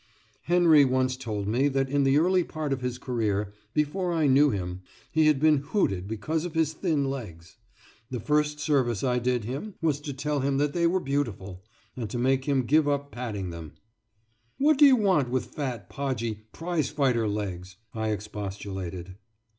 Henry once told me that in the early part of his career, before I knew him, he had been hooted because of his thin legs. The first service I did him was to tell him that they were beautiful, and to make him give up padding them. "What do you want with fat, podgy, prize fighter legs!" I expostulated.